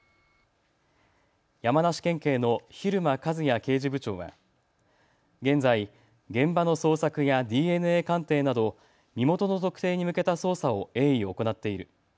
山梨県警の比留間一弥刑事部長は現在、現場の捜索やＤＮＡ鑑定など身元の特定に向けた捜査を鋭意行っている。